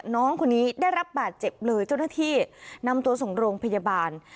น้องคนนี้ได้รับบาดเจ็บเลยเจ้าหน้าที่นำตัวส่งโรงพยาบาล